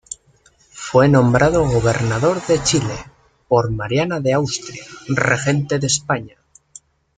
Fue nombrado gobernador de Chile, por Mariana de Austria, regente de España.